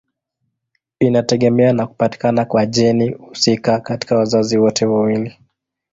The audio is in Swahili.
Inategemea na kupatikana kwa jeni husika katika wazazi wote wawili.